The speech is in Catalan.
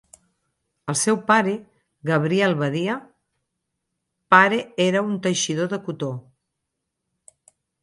El seu pare, Gabriel Badia, pare era un teixidor de cotó.